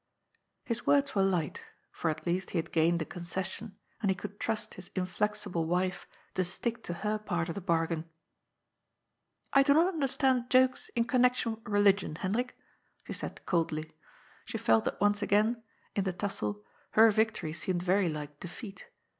His words were light, for at least he had gained a concession, and he could trust his inflexible wife to stick to her part of the bargain. " I do not understand jokes in connection with religion, Hendrik," she said coldly. She felt that once again, in the tussle, her victory seemed very like defeat.